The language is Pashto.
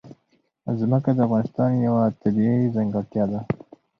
ځمکه د افغانستان یوه طبیعي ځانګړتیا ده.